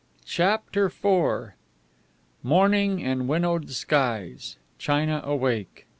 CHAPTER IV Morning and winnowed skies; China awake.